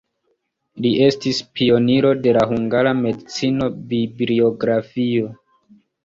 Li estis pioniro de la hungara medicino-bibliografio.